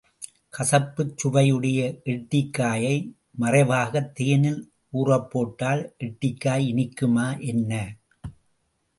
கசப்புச் சுவையுடைய எட்டிக் காயை மறைவாகத் தேனில் ஊறப்போட்டால் எட்டிக்காய் இனிக்குமா, என்ன?